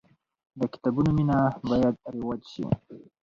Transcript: د کتابونو مینه باید رواج سي.